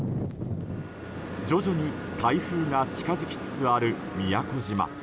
徐々に台風が近づきつつある宮古島。